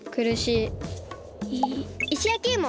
いいしやきいも！